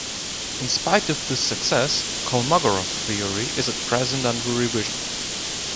In spite of this success, Kolmogorov theory is at present under revision.